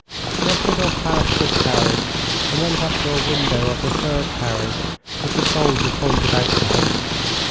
Nekhludoff passed this carriage and went up to a window of the third carriage, which a soldier pointed out to him.